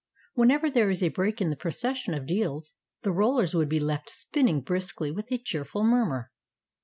Whenever there was a break in the procession of deals, the rollers would be left spinning briskly with a cheerful murmur.